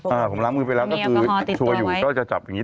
อ่าผมล้างมือไปแล้วก็คือมีแอลกอฮอล์ติดตัวไว้ชัวร์อยู่ก็จะจับอย่างงี้